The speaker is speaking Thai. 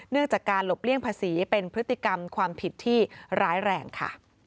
จากการหลบเลี่ยงภาษีเป็นพฤติกรรมความผิดที่ร้ายแรงค่ะ